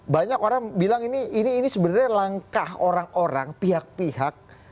banyak orang bilang ini sebenarnya langkah orang orang pihak pihak